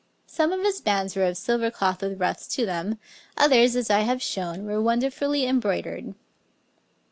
Some of his bands were of silver cloth with ruffs to them, others, as I have shown, were wonderfully embroidered.